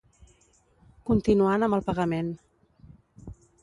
Continuant amb el pagament.